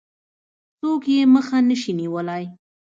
څوک يې مخه نه شي نيولای.